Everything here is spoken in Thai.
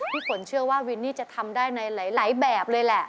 ฝนเชื่อว่าวินนี่จะทำได้ในหลายแบบเลยแหละ